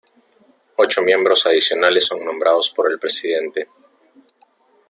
Ocho miembros adicionales son nombrados por el Presidente.